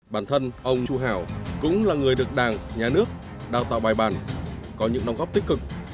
bản thân ông chu hảo cũng là người được đảng nhà nước đào tạo bài bản có những đóng góp tích cực